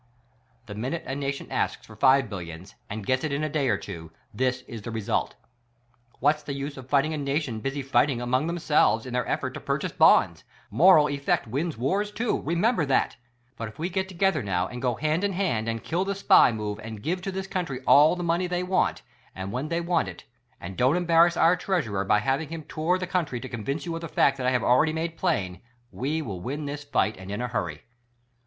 The minute a nation asks for "five billions" and gets it in a day or two, this is the result :_ What's the use of fighting a nation busy fighting among them selves in their effort^ to purchase Bonds? iVToral effect wins WARS, too; remember that ! But if we get together now, and go hand in hand, and kill the SPY move and give to this nation all the money they want, and when they v. ant it— and don't embarrass our Treasurer, by having him tour the country to convince you of the fact that I have already made plain — we Vvill win this fight and in a hurry!